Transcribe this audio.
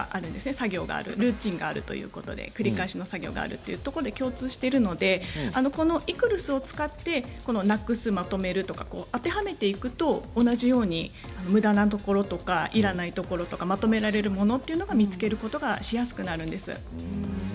作業がある、ルーティンがある繰り返しの作業があるといういうことで共通しているのでこのＥＣＲＳを使ってなくす、まとめるとか当てはめていくと同じようにむだなところ、いらないところまとめられるものを見つけることがしやすくなるんです。